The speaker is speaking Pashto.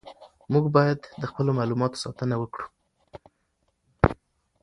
موږ باید د خپلو معلوماتو ساتنه وکړو.